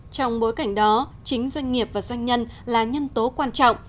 trong bối cảnh đó chính doanh nghiệp và doanh nhân là nhân tố quan trọng